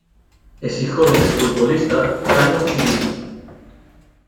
Es hijo del exfutbolista Carlos Chirinos.